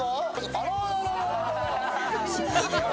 あらららら。